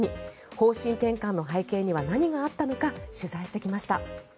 方針転換の背景には何があったのか取材してきました。